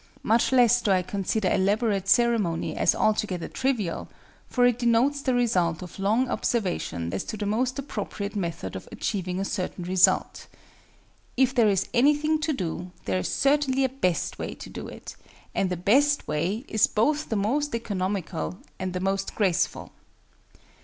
Much less do I consider elaborate ceremony as altogether trivial; for it denotes the result of long observation as to the most appropriate method of achieving a certain result. If there is anything to do, there is certainly a best way to do it, and the best way is both the most economical and the most graceful.